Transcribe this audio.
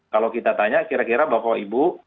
kalau kita tanya kira kira bapak ibu